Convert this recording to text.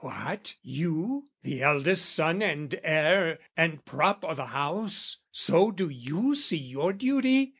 "What, you? "The eldest son and heir and prop o' the house, "So do you see your duty?